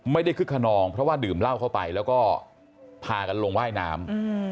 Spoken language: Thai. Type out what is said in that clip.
คึกขนองเพราะว่าดื่มเหล้าเข้าไปแล้วก็พากันลงว่ายน้ำ